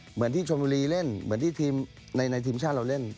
เหมือนที่ชนบุรีเล่นเหมือนที่ทีมในทีมชาติเราเล่น